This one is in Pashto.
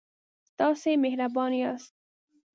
تاسې مهربانه یاست.